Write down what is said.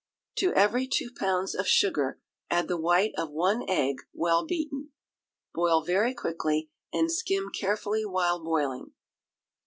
To every two pounds of sugar add the white of one egg well beaten. Boil very quickly, and skim carefully while boiling.